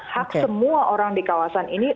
hak semua orang di kawasan ini